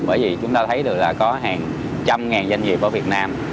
bởi vì chúng ta thấy được là có hàng trăm ngàn doanh nghiệp của việt nam